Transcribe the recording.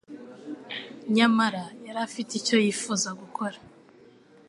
Nyamara yari afite icyo yifuza gukora,